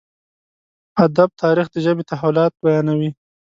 ادب تاريخ د ژبې تحولات بيانوي.